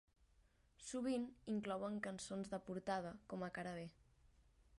Sovint inclouen cançons de portada com a cara B.